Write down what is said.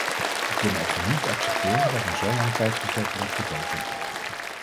We kunnen echter niet accepteren dat een zo lang tijdsbestek wordt gekozen.